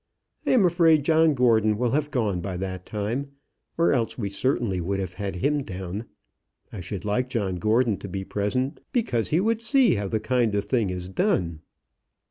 I am afraid John Gordon will have gone by that time, or else we certainly would have had him down. I should like John Gordon to be present, because he would see how the kind of thing is done."